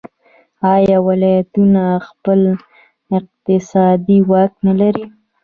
آیا ولایتونه خپل اقتصادي واک نلري؟